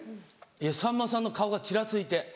いやさんまさんの顔がちらついて。